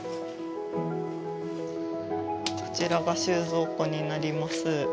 こちらが収蔵庫になります。